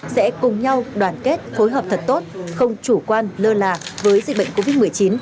sẽ cùng với các cơ quan đoàn kết phối hợp thật tốt không chủ quan lơ là với dịch bệnh covid một mươi chín